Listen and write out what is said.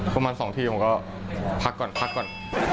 ประมาณ๒ทีผมก็พักก่อนพักก่อน